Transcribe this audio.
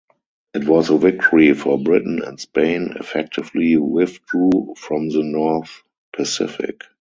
It was a victory for Britain and Spain effectively withdrew from the North Pacific.